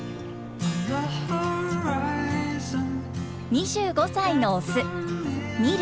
２５歳のオスニル。